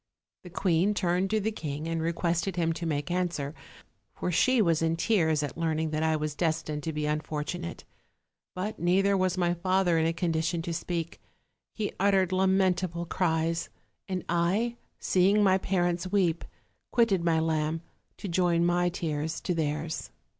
The queen turned to the king and requested him to make answer; for she was in tears at learning that I was des tined to be unfortunate: but neither was my father in a condition to speak: he uttered lamentable cries, and I, seeing my parents weep, quitted my lamb, to join my tears to theirs.